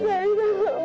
ibu juga sayang pada ibu